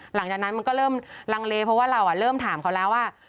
หลังจากนั้นมันก็เริ่มลังเลเพราะว่าเราเริ่มถามเขาแล้วว่า